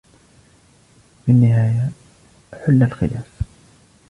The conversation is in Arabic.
في النهاية حل الخلاف.